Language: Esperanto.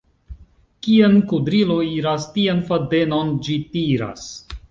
Kien kudrilo iras, tien fadenon ĝi tiras.